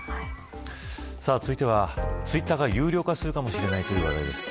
続いては、ツイッターが有料化するかもしれないという話題です。